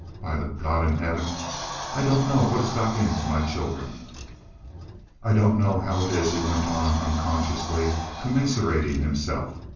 By the God in heaven, I don't know what has got into my children! "I don't know how it is," he went on, unconsciously commiserating himself.